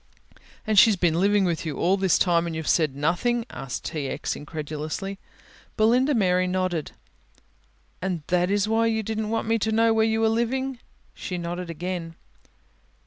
"And she's been living with you all this time and you've said nothing!" asked T. X., incredulously. Belinda Mary nodded. "And that is why you didn't want me to know where you were living?" She nodded again.